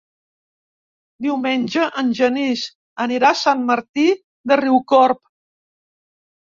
Diumenge en Genís anirà a Sant Martí de Riucorb.